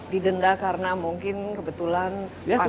didenda karena mungkin kebetulan panggilan yang kurang